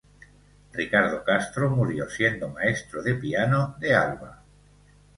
Ricardo Castro murió siendo maestro de piano de Alba.